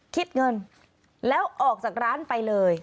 คิดเงินแล้วออกจากร้านไปเลย